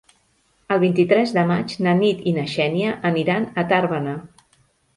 El vint-i-tres de maig na Nit i na Xènia aniran a Tàrbena.